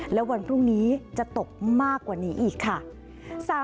และวันพรุ่งนี้จะตกมากกว่านี้อีกค่ะ